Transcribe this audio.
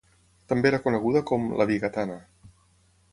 També era coneguda com La Vigatana.